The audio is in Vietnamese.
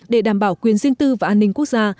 để đảm bảo quyền riêng tư và an ninh quốc gia